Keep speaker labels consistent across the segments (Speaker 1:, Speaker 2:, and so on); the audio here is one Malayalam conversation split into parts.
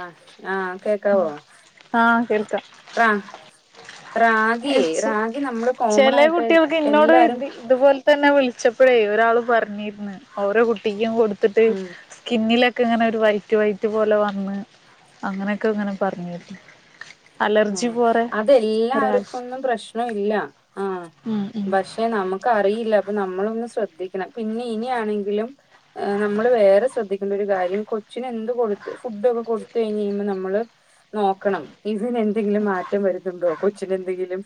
Speaker 1: ആ് ആഹ്
Speaker 2: ആഹ് കേൾക്കാം
Speaker 1: കേക്കാവോടാ റാഗിയ
Speaker 2: വെച്ച്
Speaker 1: റാഗി നമ്മള് കോമൺ
Speaker 2: ചെല
Speaker 1: ആയിട്ട്
Speaker 2: കുട്ടികൾക്ക് ഇന്നോട്
Speaker 1: എല്ലാരും
Speaker 2: ഇത് ഇതുപോലെ തന്നെ വിളിച്ചപ്പോഴേ ഒരാള് പറഞ്ഞിന്ന് ഓരോ കുട്ടിക്കും കൊടുത്തിട്ട്
Speaker 1: ഉം
Speaker 2: സ്കിന്നിലൊക്കെ ഇങ്ങനെ ഒരു വൈറ്റ് വൈറ്റ് പോലെ വന്ന് അങ്ങനെയൊക്കെ ഇങ്ങനെ പറഞ്ഞരുന്നു അലർജി പോറെ
Speaker 1: ഇത
Speaker 2: ഒരാൾ
Speaker 1: എല്ലാവർക്കുംൊന്നും പ്രശ്നം ഇല്ല ആ ഭക്ഷ [inaudible] പക്ഷെ നമുക്ക് അറിയില്ല അപ്പൊ നമ്മളൊന്ന് ശ്രദ്ധിക്കണം പിന്നെ ഇനാണെങ്കിലും. നമ്മള് വേറെ ശ്രദ്ധിക്കേണ്ട ഒരു കാര്യം കൊച്ചിന് എന്ത് കൊടുത്ത് ഫുഡോക്കെ ഒക്കെ കൊടുത്ത് കഴിഞ്ഞ് കഴിയുമ്പോൾ നമ്മള് നോക്കണം. ഇതിനെന്തെങ്കിലും മാറ്റം വരുന്നുണ്ടോ? കൊച്ചനെന്തെങ്കിലും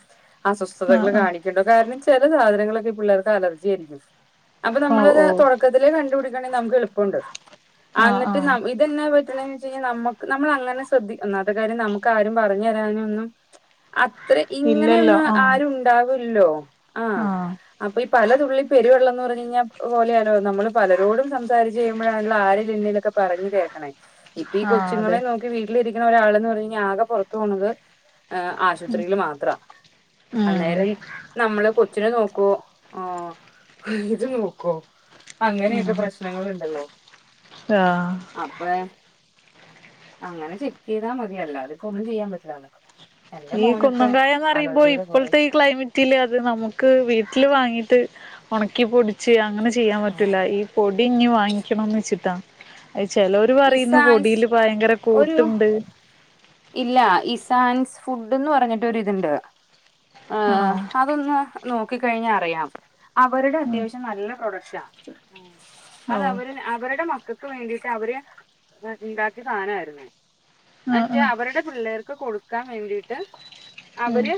Speaker 1: അസ്വസ്ഥതകൾ
Speaker 2: ആഹ് ആഹ്
Speaker 1: കാണി കാരണം ചില സാധനങ്ങളൊക്കെ പിള്ളേർക്ക് അലർജി ആയിരിക്കും. അപ്പൊ
Speaker 2: ഓ
Speaker 1: നമ്മളത്
Speaker 2: ഓ
Speaker 1: തൊടക്കത്തിലെ കണ്ടുപിടിക്കണെങ്കിൽ നമുക്ക് എളുപ്പോണ്ട്
Speaker 2: ആഹ്
Speaker 1: അന്നി
Speaker 2: ആഹ്
Speaker 1: ന്നാ പറ്റ്ണെന്ന് വെച് കഴിഞ്ഞാ നമ്മ നമ്മളങ്ങനെ ശ്രദ്ധിക്ക ഒന്നാമത്തെ കാര്യം നമുക്ക് ആരും പറഞ് ഞ്ഞ് താരാനൊന്നും അത്ര
Speaker 2: ഇല്ലല്ലോ
Speaker 1: ഇങ്ങനെയൊന്നും
Speaker 2: ആഹ്
Speaker 1: ആരും ഇണ്ടാവില്ലല്ലോ ആഹ്. അപ്പൊ ഈ പലതുള്ളി പെരുവെള്ളം എന്ന് പറഞ്ഞു കഴിഞ്ഞാപോലെയാലോ നമ്മള് പലരോടും സംസാരിച്ച് ചെയ്യുമ്പോഴാണല്ലോ ആരേലും എന്നെലൊക്കെ പറഞ്ഞു കേൾക്കണേ. ഇപ്പ ഈ
Speaker 2: ആഹ് അതെ
Speaker 1: കൊച്ചുങ്ങളെ നോക്കി വീട്ടിലിരിക്കുന്ന ഒരാൾന്ന് പറഞ്ഞ് കഴിഞ്ഞാ ആകെ പുറത്തു പോണത് ഏഹ് ആശുപത്രിയിൽ മാത്രാ.
Speaker 2: ഉം
Speaker 1: അന്നേരം നമ്മള് കൊച്ചിനെ നോക്കുവോ ആ [unintelligible] നോക്കോ അങ്ങനെയൊക്കെ
Speaker 2: ഉം
Speaker 1: പ്രശ്നങ്ങളുണ്ടല്ലോ?
Speaker 2: ആഹ്
Speaker 1: അപ്പൊ അങ്ങനെ ചെക്ക് ചെയ്താ മതി അല്ലാതെപ്പോ ഒന്നും ചെയ്യാൻ പറ്റിലല്ലോ.
Speaker 2: ഈ കുന്നംകായന്ന് പറയുമ്പോ
Speaker 1: കൊറേ
Speaker 2: ഇപ്പോള്ത്തെ ഈ ക്ലൈമറ്റില് അത് നമുക്ക് വീട്ടില് വാങ്ങീട്ട് ഒണക്കി പൊടിച്ച് അങ്ങനെ ചെയ്യാൻ പറ്റൂല്ല ഈ പൊടി ഇഞ്ഞ് വാങ്ങിക്കണന്ന് വെച്ചിട്ടാ അയ് ചെലോര് പറയ്ന്ന്
Speaker 1: ഇസാൻസ്
Speaker 2: പൊടിൽ ഭയങ്കര
Speaker 1: ഒരു
Speaker 2: കൂട്ട്ണ്ട്
Speaker 1: ഇല്ല ഇസാൻസ് ഫുഡ്ന്ന് പറഞ്ഞിട്ട് ഒരിതുണ്ട്
Speaker 2: ആണോ
Speaker 1: അതൊന്ന് നോക്കിക്കഴിഞാ അറിയാം അവരുടെ
Speaker 2: ഉം
Speaker 1: അത്യാവശ്യം നല്ല പ്രൊഡക്ക്ട്ടാ ആ
Speaker 2: ഓ
Speaker 1: അത അവര് അവരുടെ മക്കൾ ൾക്ക് വേണ്ടിട്ട് അവര് ഇണ്ടാക്കിയ സാധനായിര്ന്നു.
Speaker 2: മം
Speaker 1: അവരുടെ പിള്ളേർക്ക് കൊടുക്കാൻ വേണ്ടിയിട്ട്
Speaker 2: ഉം
Speaker 1: അവര്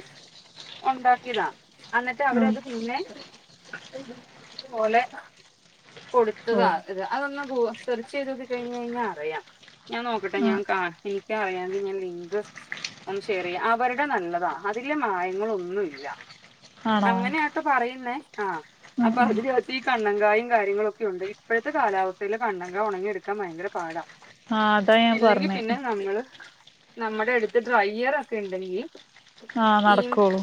Speaker 1: ഒണ്ടാക്കിയതാ അന്നിട്ട്
Speaker 2: ആഹ്
Speaker 1: അവരത് പിന്നെ [unintelligible] പോലെ
Speaker 2: ഓ
Speaker 1: കൊടുത്തതാ ഇത് അതൊന്നാ പോവാ ചെയ്ത് നോക്കി കഴിഞ് കഴിഞ്ഞാ അറിയാം. ഞാൻ നോക്കട്ടെ ഞാൻ
Speaker 2: ആഹ്
Speaker 1: കാ എനിക്ക അറിയാങ്കിൽ ഞാൻ ലിംങ്ക് ഒന്ന് ഷെയർചെയ്യാം. അവര്ടെ നല്ലതാ അതില് മായങ്ങളൊന്നുംല്ല
Speaker 2: ആണോ
Speaker 1: അങ്ങനെ യാ പറയുന്നേ ആഹ്
Speaker 2: ഉം
Speaker 1: അപ്പാ
Speaker 2: ഉം
Speaker 1: പറഞ്ഞു വന്നത് ഈ കണ്ണൻ കായും കാര്യങ്ങളും ഒക്കെ ഉണ്ട് ഇപ്പഴത്തെ കാലവസ്ഥയില് കണ്ണക്ക ഉണക്കി എടുക്കാൻ ഭയങ്കര പാടാ
Speaker 2: ആഹ് അതാ ഞാൻ
Speaker 1: ഇല്ലെങ്കിൽ
Speaker 2: പറഞ്ഞേ
Speaker 1: പിന്നെ നമ്മള് നമ്മടെ അടുത്ത് ഡ്രൈയാറോക്കെ ഉണ്ടെങ്കി
Speaker 2: ആ നടക്കൂള്ളു.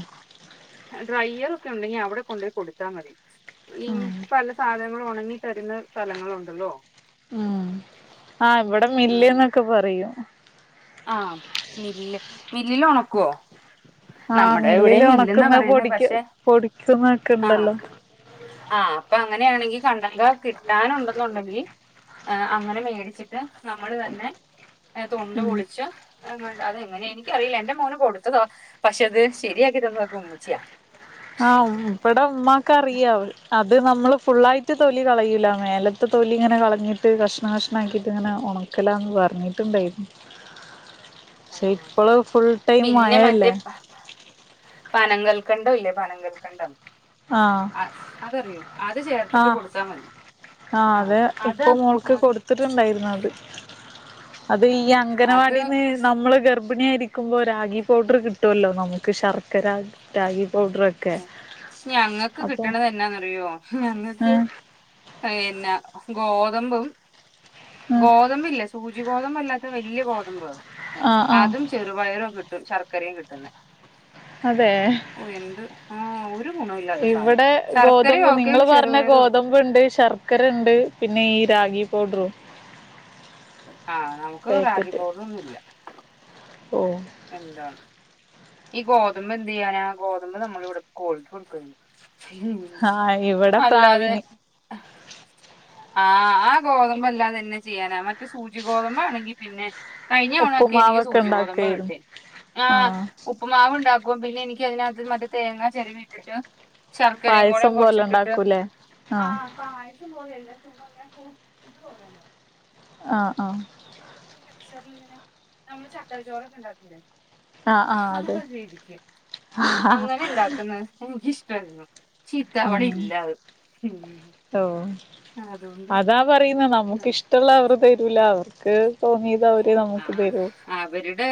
Speaker 1: ഡ്രൈയർ ഒക്കെ ഒണ്ടെങ്കി അവിടെ കൊണ്ടു കൊടുത്താ മതി ഈ
Speaker 2: ഉം
Speaker 1: പല സാധനങ്ങളും ഉണങ്ങി തരുന്ന സ്ഥലങ്ങളുണ്ടല്ലോ
Speaker 2: ഉം ആഹ് ഇവിടെ
Speaker 1: ആ
Speaker 2: മില്ല് ന്നൊക്കെ പറയും
Speaker 1: ആഹ്. മില്ല് മില്ലില് ഒണക്കുവോ
Speaker 2: ആഹ്
Speaker 1: നമ്മടെ
Speaker 2: മില്ലില്
Speaker 1: എവിടേം മില്ല്ന്നാ
Speaker 2: ഒണക്കുന്ന
Speaker 1: പറയ്ന്നെ
Speaker 2: പൊടിക്ക്
Speaker 1: പക്ഷെ
Speaker 2: പൊടിക്കുന്നൊക്കെ
Speaker 1: ആഹ്
Speaker 2: ഇണ്ടല്ലോ
Speaker 1: ആഹ് അപ്പം അങ്ങനെയാണങ്കി കണ്ണക്ക കിട്ടാനുണ്ടെങ്കിൽ അങ്ങനെ മേടിച്ചിട്ട് നമ്മള് തന്നെ തൊണ്ട് പൊളിച്ച് അങ്ങ അത് എങ്ങനെ എനിക്കറിയില്ല എന്റെ മോന് കൊടുത്തതാ പക്ഷെ ശരിയാക്കി തന്നത് ഒക്കെ ഉമ്മച്ചിയാ
Speaker 2: ആഹ് ഇപ്പടെ ഉമ്മാക്ക അറിയ അത് നമ്മള് ഫുള്ളായിട്ട് തൊലി കളയൂല മേലത്തെ തൊലി ഇങ്ങനെ കളഞ്ഞിട്ട് കഷ്ണ കഷ്ണം ആക്കിയിട്ട് ഇങ്ങനെ ഉണ ഒക്കല്ലന്ന് പറഞ്ഞിട്ടുണ്ടായിരുനു
Speaker 1: ആ,
Speaker 2: പക്ഷെ ഇപ്പള് ഫുൾടൈം മഴയല്ലേ
Speaker 1: പനങ്ങൾകണ്ടം ഇല്ലേ പനങ്ങൾക്കണ്ടും
Speaker 2: ആഹ്
Speaker 1: അ അതറിയോ അത് ചേർത്തിട്ട്
Speaker 2: ആഹ്
Speaker 1: കൊടുത്താൽ മതി
Speaker 2: ആഹ് അത് ഇപ്പൊ മോൾക്ക്
Speaker 1: അത്
Speaker 2: കൊടുത്തിട്ടുണ്ടായിരുന്നു അത് അത് ഈ
Speaker 1: ആഹ് അത്
Speaker 2: അംഗനവാടിന്ന് നമ്മള് ഗർഭ ഭിണിയായിരിക്കുമ്പോൾ രാഗി പൗഡർ കിട്ടുമല്ലോ നമുക്ക് ശർക്കര രാഗി പൗഡർക്കെ
Speaker 1: ഓഹ് ഞങ്ങൾക്ക് കിട്ടണത് എന്നന്നാന്ന്റിയോ ഞങ്ങൾക്ക്
Speaker 2: ആഹ്
Speaker 1: പിന്നെ ഗോതമ്പും
Speaker 2: ആഹ്
Speaker 1: ഗോതമ്പും ഇല്ലേ സൂചി ഗോതമ്പ് അല്ലാത്ത വ വല്യയ ഗോതുമമ്പ്
Speaker 2: ആഹ് ആഹ്
Speaker 1: അതും ചെറുപയറും കിട്ടും ശർക്കരയും കിട്ടുന്ന
Speaker 2: അതെ
Speaker 1: ആ ഒരു ഗുണമില്ലാത്ത സാധനം
Speaker 2: ഇവിടെ
Speaker 1: ശർക്കരയും
Speaker 2: ഗോതമ്പ്
Speaker 1: ഓക്കെ
Speaker 2: നിങ്ങള് പറഞ്ഞ
Speaker 1: ചെറുപയറും ഓക്കെ
Speaker 2: ഗോതമ്പ് ഉണ്ട് സർ ചക്കരണ്ട് പിന്നെ ഈ രാഗി പൗഡറും
Speaker 1: ആഹ് നമുക്ക് റാഗി പൗഡർണ്ണും ഇല്ല
Speaker 2: ഓഹ്
Speaker 1: എന്താ ഈ ഗോതമ്പ് എന്ത് ചെയ്യാനാ ഗോതമ്പ് നമ്മളിവിടെ കോഴിക്ക് കൊടുക്കും
Speaker 2: ആഹ് ഇവിടെ പ്രാവിന്
Speaker 1: ആഹ് ആ ഗോതമ്പ് എല്ലാം തന്നെ ചെയ്യാനാ മറ്റ് സൂചി ഗോതമ്പ് ആണെങ്കി പിന്നെ കഴിഞ്ഞവണക്കെ എനിക്ക്
Speaker 2: ഉപ്പുമാവൊക്കെ
Speaker 1: സൂചി ഗോതമ്പ് കിട്ടി
Speaker 2: ഉണ്ടാക്കുകയായിരുന്നു ആ
Speaker 1: ആഹ് ഉപ്പ്മാവ് ഉണ്ടാക്കും പിന്നെ എനിക് അതിനകത്ത് തേങ്ങ ചെരവി ഇട്ടിട്ട് ശർക്കരയും
Speaker 2: പായസം
Speaker 1: കൂടെയും
Speaker 2: പോലെ
Speaker 1: കൊറച്ച് ഇട്ടിട്ട്
Speaker 2: ഉണ്ടാക്കൂലേ ആ
Speaker 1: ആഹ് പായസം പോല അല്ല ചുമ്മാ ങ്ങനെ ഇത് പോലല്ലെ
Speaker 2: ആഹ് ആഹ്
Speaker 1: കുക്കിലങ്ങനെ നമ്മള് ചക്കര ചോറൊക്കെ ണ്ടാക്കൂലെ
Speaker 2: ആ ആ അതെ
Speaker 1: ആഹ് റീതിക്ക് അങ്ങനെ ഉണ്ടാക്കുന്നത് എനിക്ക്ഷ്ടായിരുന്നു ചീത്തവണ
Speaker 2: ഉം
Speaker 1: ഇല്ലത്
Speaker 2: ഓ
Speaker 1: അതോണ്ട്
Speaker 2: അതാ പറയുന്ന നമുക്ക് ഇഷ്ടമുള്ള അവർ തരൂല അവർക്ക് തോന്നിയത്
Speaker 1: ആ
Speaker 2: അവര്നമുക്ക് തരൂ
Speaker 1: അവരുടെ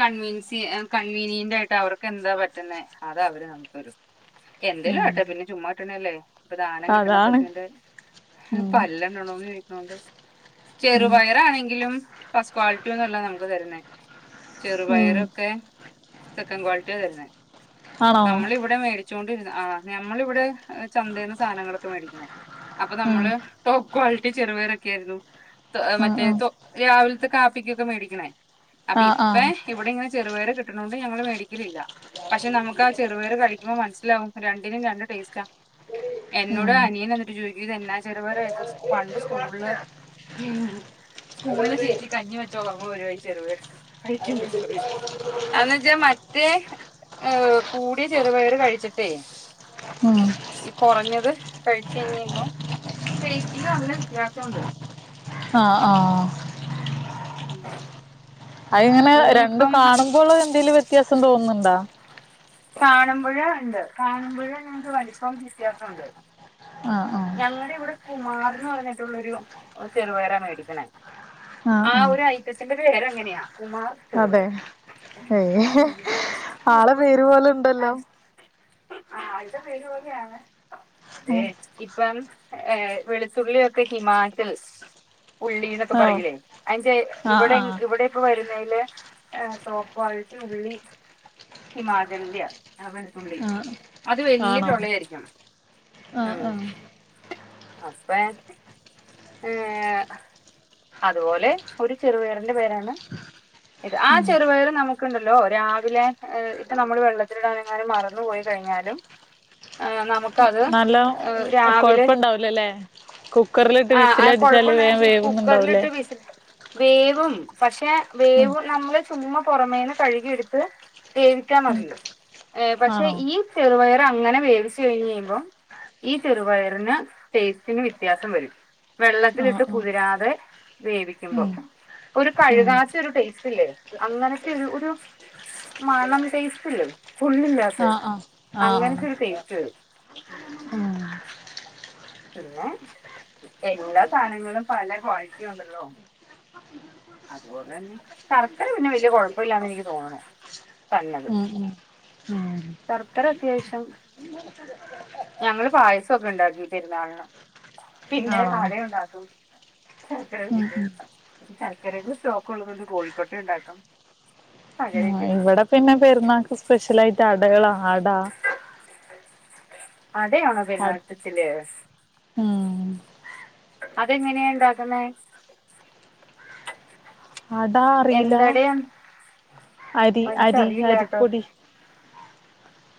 Speaker 1: കൺവീൻസി കൺവീനിയന്റ് ആയിട്ട് അവർക്ക് എന്താ പറ്റുന്ന അത് അവര് നമുക്കൊരു എന്തേലോ
Speaker 2: ഉം
Speaker 1: ആട്ടാ പിന്നെ ചുമ്മാട്ടണല്ലേ ഇപ്പൊ ദാനം കിട്ടണ
Speaker 2: അതാണ്
Speaker 1: പശുവിന്റെ
Speaker 2: ഉം
Speaker 1: പല്ലണന്ന് ചോദിക്കണോണ്ട്
Speaker 2: ഉം
Speaker 1: ചെറുപയറ് ആണെങ്കിലും ഫസ്റ്റ് ക്വാളിറ്റി അല്ല നമുക്ക് തരുന്നേ
Speaker 2: ഉം
Speaker 1: ചെറുപയറൊക്കെ സെക്കൻഡ് ക്വാളിറ്റി തരുന്നത്
Speaker 2: ആണോ
Speaker 1: നമ്മളിവിടെ മേടിച്ച വച്ചോണ്ടിരുന്ന ആഹ് നമ്മളിവിടെ ചന്തേന്ന് സാധനങ്ങളൊക്കെ മേടിച്ചതാ അപ്പൊ
Speaker 2: ഉം
Speaker 1: നമ്മള് ട്ടോ ക്വാളിറ്റി ചെറുപയറൊക്കെ ആയിരുന്നു
Speaker 2: ഉം
Speaker 1: മറ്റേ
Speaker 2: ഉം
Speaker 1: രാവിലത്തെ കാപ്പിക്കൊക്കെ മേടിക്കണേ അപ്പൊ
Speaker 2: ആഹ്
Speaker 1: ഇപ്പൊ
Speaker 2: ആഹ്
Speaker 1: ഇവിടെ ഇങ്ങനെ ചെറുപേര് കിട്ടനോണ്ട് ഞങ്ങള് മേടിക്കലില്ല പക്ഷെ നമുക്ക് ആ ചെറുപയർ കഴിക്കുമ്പോ മനസ്സിലാവും രണ്ടിനും രണ്ട് ടേസ്റ്റാ എന്നോട്
Speaker 2: ഉം
Speaker 1: അനിയനെ ന്നിട്ട് ചോദിക്കും ഇതെന്നാ [unintelligible] പണ്ട് സ്കൂൾല് സ്കൂൾല് ചേച്ചി കഞ്ഞി വെച്ച് നോക്ക് അപ്പൊ ചെറു കഴിക്കും ബെംഗൂ എന്ന് വച്ചാ മറ്റേ ഏഹ് കൂടിയ ചെറുപയര് കഴിച്ചിട്ടേ
Speaker 2: ഉം
Speaker 1: ഈ കുറഞ്ഞത് കഴിച്ച് കയിഴുബൊ ടെസ്റ്റിന് നല്ല വ്യത്യാസുണ്ട്
Speaker 2: ആഹ് ആഹ്
Speaker 1: പിന്നെ ഉം
Speaker 2: അതി ഇങ്ങനെ രണ്ടും
Speaker 1: ഇനിയിപ്പം
Speaker 2: കാണുമ്പോൾ എന്തെലും വ്യത്യാസം തോന്നുന്നുണ്ടോ
Speaker 1: കാണ്മ്പഴോണ്ട് കാണ്മ്പോ [unintelligible] വലുപ്പം വ്യത്യാസൊണ്ട്.
Speaker 2: ആഹ് ആഹ്
Speaker 1: ഞങ്ങടെ ഇവിടെ കുമാർന്ന് പറഞ്ഞിട്ടുള്ളൊരു ചെറുപയറ മേടിക്കണെ.
Speaker 2: ആഹ്
Speaker 1: ആ
Speaker 2: ആഹ്
Speaker 1: ഒരു ഐറ്റത്തിന്റെ പേരങ്ങനെയാ കുമാർ
Speaker 2: അതെ
Speaker 1: ചെറുപയർ
Speaker 2: ഏഹ് ആളെ പേര് പോല്ണ്ടല്ലോ?
Speaker 1: ആ ആൾടെപേര്പോലെയാണ് അതെ
Speaker 2: ഉം
Speaker 1: ഇപ്പം ഏഹ് വെളുത്തുള്ളിയൊക്കെ ഹിമാചൽ ഉള്ളിന്നൊക്കെ
Speaker 2: ഓഹ്
Speaker 1: പറയൂലേ അയിന്റെ
Speaker 2: ആഹ്
Speaker 1: ഇവിടെ
Speaker 2: ആഹ്
Speaker 1: ഇവിടെ ഇപ്പ വരുന്നെയില് ഏഹ് സോപ്പോയിട്ട് ഉള്ളി ഹിമാചൽന്റെയാ. ആ വെളുത്തുള്ളി.
Speaker 2: ആഹ്
Speaker 1: അത് വെല്ല്യ
Speaker 2: ആണോ
Speaker 1: ചൊളയായിരിക്കും.
Speaker 2: ആഹ് ആഹ്.
Speaker 1: അപ്പേ ഏഹ് അതുപോലെ ഒരു ചെറുപയറിന്റെ പേരാണ് ഇത് ആ ചെറുപയറ് നമു ക്ക്‌ണ്ടല്ലോ രാവിലെ ഏ ഇപ്പ നമ്മള് വെള്ളത്തിലിടാനെങ്ങാനും മറന്നു പോയി കഴിഞ്ഞാലും ആ നമുക്കത് ഏഹ് രാവിലെ
Speaker 2: കൊഴപ്പണ്ടാവില്ലലേ കുക്കറിലിട്ട്
Speaker 1: ആഹ് ആ
Speaker 2: വിസിലടിച്ചാല് വേം
Speaker 1: കൊഴപ്പുണ്ടായെന്ന് വെച്ചാ
Speaker 2: വേവ്ന്ന്ണ്ടാവല്ലേ?
Speaker 1: കുക്കറിലിട്ട് വിസിൽ വേവും പക്ഷെ
Speaker 2: ഉം
Speaker 1: വേവും നമ്മള് ചുമ്മ പൊറമേന്ന് കഴുകിയെടുത്ത് വേവിച്ചാ
Speaker 2: ഉം
Speaker 1: മതിയോ ഏ പക്ഷെ
Speaker 2: ആണോ
Speaker 1: ഈ ചെറുപയറ് അങ്ങനെ വേവിച്ചു കഴിഞ്ഞ് കഴിയ്മ്പം ഈ ചെറുപയറിന് ടേസ്റ്റിന് വ്യത്യാസം വരും.
Speaker 2: ആഹ്
Speaker 1: വെള്ളത്തിലിട്ട്
Speaker 2: ആഹ്
Speaker 1: കുതിരാതെ വേവിക്കുമ്പം.
Speaker 2: ഉം
Speaker 1: ഒരു
Speaker 2: ഉം
Speaker 1: കഴുകാത്ത ഒരു ടേസ്റ്റ് ഇല്ലേ അങ്ങനത്തെയൊരു ഒരു മണം ടേസ്റ്റില്ലേ കൊള്ളില്ലാത്തെ
Speaker 2: ആഹ് ആഹ്
Speaker 1: അങ്ങനത്തൊരു ടേസ്റ്റ് വരും. ഉം
Speaker 2: ആഹ്
Speaker 1: പിന്നെ എല്ലാ സാനങ്ങളും പല ക്വാളിറ്റിണ്ടല്ലോ? അതുപോലെ തന്നെ ശർക്കര പിന്നെ വെല്ല്യ കൊഴപ്പല്ലാന്ന് എനിക്ക് തോന്നണെ തന്നത്.
Speaker 2: ഉം ഉം ഉം
Speaker 1: ശർക്കരത്യാവിശ്യം ഞങ്ങള് പായസക്കെണ്ടാക്കി പെരുന്നാളിന്. പിന്നെ
Speaker 2: ആണോ ഉം
Speaker 1: അടയൊണ്ടാക്കും ശർക്കര വെച്ചിട്ട് എടക്ക് സ്റ്റോക്കൊള്ളതോണ്ട് കൊഴിക്കട്ടേണ്ടാക്കും
Speaker 2: ഇവടെ പിന്നെ പെരുന്നാൾക്ക് സ്പെഷ്യലായിട്ട് അടകള അട
Speaker 1: അടയാണോ
Speaker 2: അ
Speaker 1: പെരുന്നാൾ സെപ്ഷ്യല്?
Speaker 2: ഉം
Speaker 1: അതെങ്ങനെയാ ഉണ്ടാക്ക്‌ന്നെ?
Speaker 2: അട അറിയില്ല
Speaker 1: എന്തടയാ
Speaker 2: അരി അരി
Speaker 1: എനിക്കറിയില്ല കേട്ടോ
Speaker 2: അരിപ്പൊടി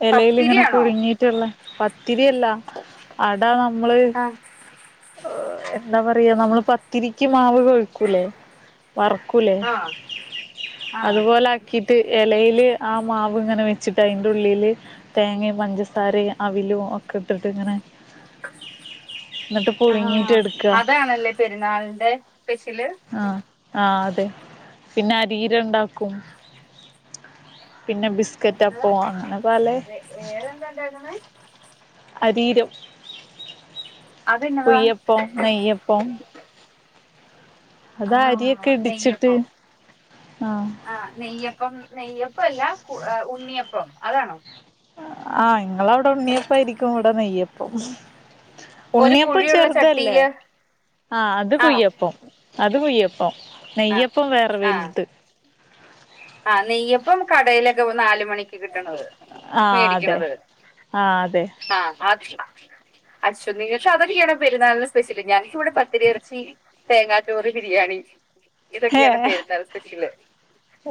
Speaker 2: എലേലിങ്ങനെ
Speaker 1: പത്തിരിയാണോ
Speaker 2: പുഴുങ്ങിയിട്ടുള്ള പത്തിരിയല്ല. അട നമ്മള്
Speaker 1: ആ
Speaker 2: എന്താ പറയാ നമ്മള് പത്തിരിക്ക് മാവ് കൊഴക്കൂലേ? വറക്കൂലേ
Speaker 1: ആ ആ
Speaker 2: അതുപോലാക്കിട്ട് എലയിൽ ല് ആ മാവ്ങ്ങനെ വെച്ചിട്ട് അയിന്റ ഉള്ളിൽ ഉള്ളില് തേങ്ങേ പഞ്ചസാര അവിലും ഒക്കെട്ടിട്ട് ഇങ്ങനെ ന്നട്ട് പുഴുങ്ങീട്ട്
Speaker 1: ആഹ്
Speaker 2: എടുക്ക
Speaker 1: അതാണല്ലേ പെരുന്നാളിന്റെ സ്പെഷ്യല്?
Speaker 2: ആ ആഹ്അതെ പിന്നെ അരിരണ്ടാക്കും. പിന്നെ ബിസ്
Speaker 1: എന്താ വേ വേറെന്താണ്ടാക്കണെ?
Speaker 2: അരീരം
Speaker 1: അതെന്നതാ
Speaker 2: കുയ്യപ്പം നെയ്യപ്പം അതാ അരിയൊക്കെ
Speaker 1: ആഹ്
Speaker 2: ഇടിച്ചിട്ട് ആഹ്
Speaker 1: ആ നെയ്യപ്പം നെയ്യപ്പം അല്ല ഉണ്ണിയപ്പം അതാണോ
Speaker 2: ആഹ് നിങ്ങള അവിടെ ഉണ്ണിയപ്പായിരിക്കും ഇവിടെ നെയ്യപ്പം
Speaker 1: ഒരു
Speaker 2: ഉണ്ണിയപ്പം
Speaker 1: കുഴിയുള്ള
Speaker 2: ചെർതല്ലേ
Speaker 1: ചട്ടിയില്
Speaker 2: ആഹ് അത്
Speaker 1: ആണോ
Speaker 2: കുയ്യപ്പം അത് കുയ്യപ്പം
Speaker 1: ആഹ്
Speaker 2: നെയ്യപ്പം വേറെ
Speaker 1: ആഹ്
Speaker 2: വെൽത്
Speaker 1: ആഹ് നെയ്യപ്പം കടയിലൊക്കെ നാല് മണി കിട്ട്ണത്
Speaker 2: ആ അതെ
Speaker 1: മേടിക്ക്ണത്
Speaker 2: ആ അതെ
Speaker 1: ആ അ അച്ഛോ നിങ്ങൾക്ക് അതൊക്കെയാണോ പെരുന്നാളിന് സ്പെഷ്യല് ഞങ്ങൾക്ക് ഇവിടെ പത്തരി ഇറച്ചി തേങ്ങാ ചോറ് ബിരിയാണി
Speaker 2: ഏ
Speaker 1: ഇതൊക്കെയാണ് പെരുന്നാള് സ്പെഷല്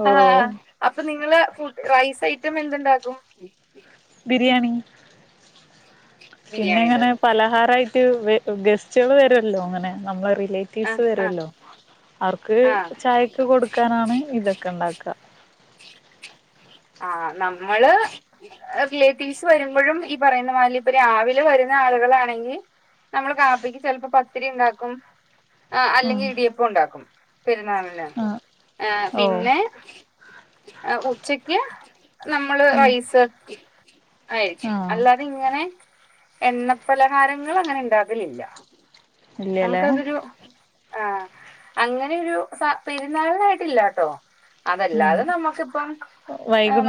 Speaker 2: ഓ
Speaker 1: ആഹ് അപ്പൊ നിങ്ങള് ഫുഡ് റൈസ് ഐറ്റം എന്തുണ്ടാക്കും?
Speaker 2: ബിരിയാണി പിന്നെ
Speaker 1: ബിരിയാണി
Speaker 2: ഇങ്ങനെ
Speaker 1: ഉണ്ടാക്കും
Speaker 2: പലഹാരായിട്ട് ഗ ഗസ്റ്റുകൾ വരൊല്ലോ അങ്ങനെ നമ്മളെ റിലേ റ്റീവ്സ്
Speaker 1: ആഹ് ആഹ്
Speaker 2: വരൊല്ലോ അവർക്ക്
Speaker 1: ആഹ്
Speaker 2: ചായക്ക് കൊടുക്കാനാണ് ഇതൊക്കെ ഉണ്ടാക്ക
Speaker 1: ആഹ് നമ്മള് റിലേറ്റീവ്സ് വരുമ്പഴും ഈ പറയുന്നമാതിരി രാവിലെ വരുന്ന ആളുകളാണെങ്കി നമ്മള് കാപ്പിക്ക് ചെൽപ്പോ പത്തിരിണ്ടാക്കും. ആഹ്
Speaker 2: ഉം
Speaker 1: അല്ലെങ്കിൽ ഇടിയപ്പം ഉണ്ടാക്കും പെരുന്നാള്ന്.
Speaker 2: ആ
Speaker 1: ആ
Speaker 2: ഓ
Speaker 1: പിന്നെ ആഹ് ഉച്ചയ്ക്ക് നമ്മള്
Speaker 2: ഉം
Speaker 1: റൈസ് ആയ
Speaker 2: ആ
Speaker 1: [unintelligible] അല്ലാ ഇങ്ങനെ എണ്ണ പലഹാരങ്ങൾ അങ്ങനെ ഇണ്ടാക്കലില്ല
Speaker 2: ഇല്ലല്ലേ
Speaker 1: നമുക്കതൊരു ആഹ് അങ്ങനൊരു സ പെരുന്നാളിനായിട്ടില്ലാ ട്ടോ അതല്ലാതെ നമ്മുക്കിപ്പം
Speaker 2: വൈകുന്നേരൊക്കെങ്ങനെ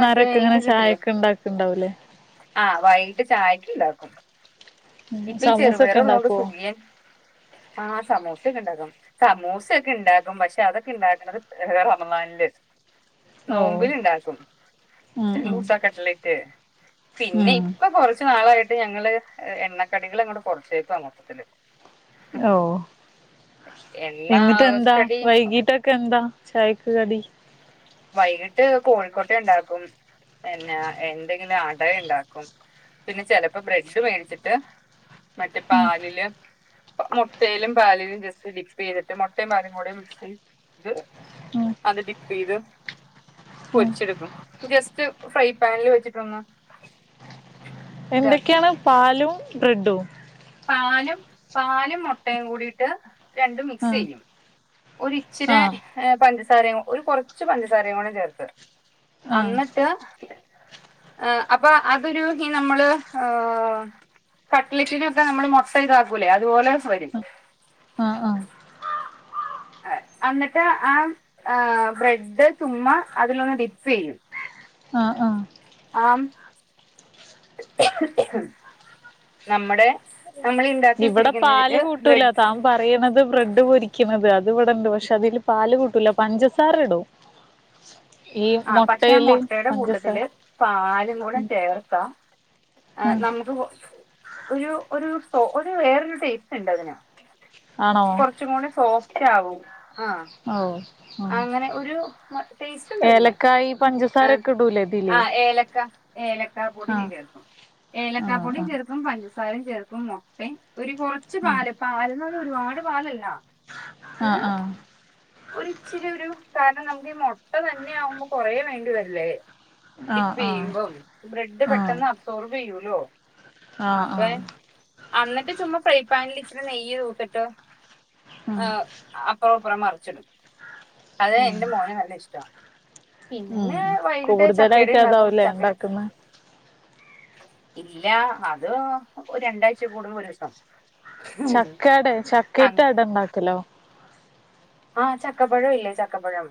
Speaker 2: ചായക്ക് ഉണ്ടാക്ക്ണ്ടാവൂല്ലേ
Speaker 1: ആഹ് വയ്കിട്ട് ചായയ്ക്ക് ണ്ടാക്കും ഇപ്പ ഈ ചെറുപയർ
Speaker 2: സമൂസൊക്കെ
Speaker 1: ഉള്ളോണ്ട്
Speaker 2: ഉണ്ടാക്കുവോ
Speaker 1: സുഖിയൻ. ആ സമോസൊക്കെണ്ടാക്കും സമൂസയൊക്കെ ഇണ്ടാക്കും. പക്ഷെ അതൊക്കെ ഇണ്ടാക്ക്ണത് ഏഹ് റമളാന് ല്
Speaker 2: ഓ
Speaker 1: നോമ്പിന്ണ്ടാക്കും
Speaker 2: ഉം ഉം
Speaker 1: മൂസ കട്ട്ലറ്റ്. പിന്നെ
Speaker 2: ഉം
Speaker 1: ഇപ്പൊ കൊർച്ച് നാളായി ട്ട് ഞങ്ങള് എ എണ്ണക്കടികളങ്ങോട്ട് കൊർച്ചേക്കാ മൊത്തത്തില്
Speaker 2: ഓഹ്
Speaker 1: എണ്ണ
Speaker 2: എന്നിട്ട് എന്താ
Speaker 1: കടി
Speaker 2: വൈകിട്ട് ക്കെ ന്താ ചായക്ക് കടി
Speaker 1: വൈകിട്ട് കോഴിക്കോട്ടെ ഇണ്ടാക്കും. പിന്നെ എന്തെങ്കിലും അട ഇണ്ടാക്കും പിന്നെ ചെലപ്പോ ബ്രെഡ് മേടിച്ചിട്ട് മറ്റേ
Speaker 2: ഉം
Speaker 1: പാലില് മുട്ടെലും പാലിലും ജസ്റ്റ് മിക്സ് ചെയ്തിട്ട് മോട്ടേമ് പാലും കൂടെ മിക്സി ഇത്
Speaker 2: ഉം
Speaker 1: അത് ഡിപ്പേയ്ത്
Speaker 2: ഉം
Speaker 1: പൊരിച്ചെടുക്കും. ജസ്റ്റ് ഫ്രൈ പാനില് വെച്ചിട്ടൊന്ന് ഇതാക്കി
Speaker 2: എന്തൊക്കെയാണ്? പാലും ബ്രെഡും
Speaker 1: പാലും പാലും മുട്ടേം കൂടിയിട്ട് രണ്ടും മിക്സ്
Speaker 2: ആഹ്
Speaker 1: ചെയ്യും ഒരിച്ചിരെ
Speaker 2: ആഹ്
Speaker 1: പഞ്ചസാരയും ഒരു കൊർച്ച് പഞ്ചസാരയും കൂടെ ചേർത്ത്
Speaker 2: ആഹ്
Speaker 1: അന്ന്ട്ട് ഏഹ് അപ്പൊ അതൊരു ഈ നമ്മള് ഏഹ് [unintelligible] കട്ട്ലറ്റിനൊക്കെ നമ്മൾ മുട്ട ഇതാക്കൂല്ലേ അതുപോലെ വരും..
Speaker 2: ആഹ് ആഹ്
Speaker 1: അന്നിട്ട് ആ ആ ബ്രെഡ് ചുമ്മ അതിലൊന്ന് ഡിപ്പെയ്യും..
Speaker 2: ആഹ് ആഹ്
Speaker 1: ആം നമ്മടെ നമ്മൾ ഉണ്ടാക്കി
Speaker 2: ഇവിടെ പാല്
Speaker 1: വെച്ചിരിക്കുന്നതില്
Speaker 2: കൂട്ടൂല
Speaker 1: ബ്രെഡ്
Speaker 2: ത പറയ്ണത് ബ്രെഡ് പൊരിക്ക്ണത്. അത് ഇവിടെണ്ട് പക്ഷെ അതില് പാല് കൂട്ടൂല പഞ്ചസാര ഇടും ഈ
Speaker 1: ആ പക്ഷെ
Speaker 2: മുട്ടയില്
Speaker 1: മോട്ടയുടെ
Speaker 2: പഞ്ചസാര
Speaker 1: കൂട്ടത്തില് പാലും കൂടെ ചേർക്കാം ആഹ്
Speaker 2: ഉം
Speaker 1: നമുക്ക് ഒരു ഒരു സോ ഒരു വേറൊരു ടേസ്റ്റുണ്ടതിന്
Speaker 2: ആണോ
Speaker 1: കൊറച്ചും കൂടെ സോ ച്ച ആവും ആഹ് ആഹ്.
Speaker 2: ഓ ആഹ്
Speaker 1: അങ്ങനെ ഒരു ടേസ്റ്റ്ണ്ടതിന്..
Speaker 2: ഏലക്കായി പഞ്ചസാരൊക്കെ ഇടൂലേ ഇതില്
Speaker 1: ഏ ഏലക്കാ പൊടി
Speaker 2: ആഹ്
Speaker 1: ചേർക്കും ഏലക്കാ
Speaker 2: ആഹ്
Speaker 1: പൊടിം
Speaker 2: ആഹ്
Speaker 1: ചേർക്കും പഞ്ചസാരയും ചേർക്കും.. മുട്ടേ ഒരു.. കൊറച്
Speaker 2: ആഹ്
Speaker 1: പാല് പാലന്ന് പറഞ്ഞാ ഒരുപാട് പാലല്ല
Speaker 2: ആഹ്
Speaker 1: ഒരു..
Speaker 2: ആഹ്
Speaker 1: ച്ചിരി ഒരു കാരണം നമുക്ക്ഈ മോ.. ട്ട തന്നെയ ആവുമ്പോ കൊറേ വേണ്ടിവരില്ലേ
Speaker 2: ആഹ്
Speaker 1: ഡിപ്പ്
Speaker 2: ആഹ്
Speaker 1: ചെയ്യുമ്പം ബ്രെഡ്
Speaker 2: ആഹ്
Speaker 1: പെട്ടെന്ന്... സൊർബ് ചെയ്യൂലോ
Speaker 2: ആഹ്
Speaker 1: അപ്പ.
Speaker 2: ആഹ്
Speaker 1: അന്നിട്ട് ചുമ്മാ ഫ്രൈ പാനിൽ ഇച്ചിരി നെയ്യ് തൂത്തിട്ട്
Speaker 2: ഉം
Speaker 1: അപ്പൊ പ്പറം മറിച്ചിടും. അത്
Speaker 2: ഉം
Speaker 1: എന്റെ മോന് നല്ല ഇഷ്ട്ടാ
Speaker 2: ഉം
Speaker 1: പിന്ന്നെ വൈകിട്ട് ചക്കയടെ
Speaker 2: കൂടുതലായിട്ട്
Speaker 1: ഇണ്ടാക്കും
Speaker 2: അതാവൂലേ
Speaker 1: ചക്കേ..
Speaker 2: ഉണ്ടാക്കുന്നെ
Speaker 1: ഇല്ല. അത് ഒര് രണ്ടാഴ്ച കൂടുമ്പോ ഒരൂസം
Speaker 2: ചക്കട ചക്കേത്തെ
Speaker 1: അങ്-
Speaker 2: അട ഉണ്ടാക്കല്ലോ
Speaker 1: ആഹ് ചക്കപ്പഴം ഇല്ലേ ചക്കപ്പഴം..